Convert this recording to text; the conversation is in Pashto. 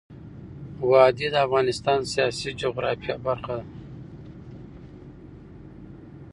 وادي د افغانستان د سیاسي جغرافیه برخه ده.